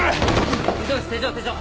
溝口手錠手錠！